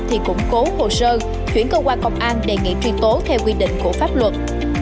thì củng cố hồ sơ chuyển cơ quan công an đề nghị truy tố theo quy định của pháp luật